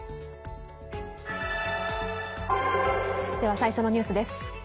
最初のニュースです。